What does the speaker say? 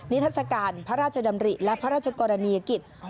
ทัศกาลพระราชดำริและพระราชกรณียกิจ